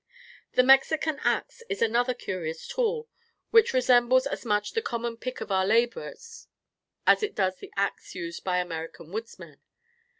The Mexican axe is another curious tool, which resembles as much the common pick of our laborers as it does the axe used by American woodsmen.